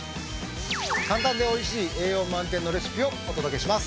簡単で美味しい栄養満点のレシピをお届けします。